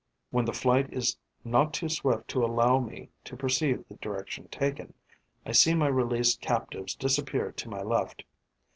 When the flight is not too swift to allow me to perceive the direction taken, I see my released captives disappear to my left.